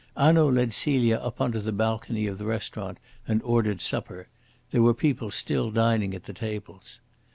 Hanaud led Celia up on to the balcony of the restaurant and ordered supper. There were people still dining at the tables.